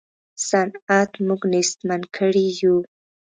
صنعت موږ نېستمن کړي یو.